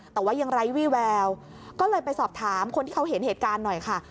แต่ว่ายังไร้วี่แววก็เลยไปสอบถามคนที่เขาเห็นเหตุการณ์หน่อยค่ะ